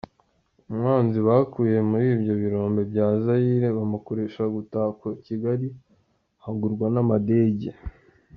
Umwanzi bakuye muri ibyo birombe bya Zaïre bamukoresha gutaka Kigali hagurwa n’amadege.